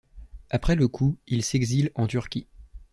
Après le coup, il s'exile en Turquie.